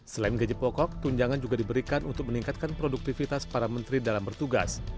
selain gaji pokok tunjangan juga diberikan untuk meningkatkan produktivitas para menteri dalam bertugas